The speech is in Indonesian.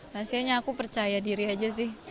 rahasianya aku percaya diri aja sih